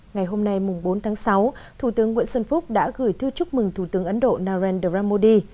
ngày hôm nay bốn tháng sáu thủ tướng nguyễn xuân phúc đã gửi thư chúc mừng thủ tướng ấn độ narendra modi